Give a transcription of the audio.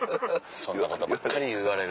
そんなことばっかり言われる。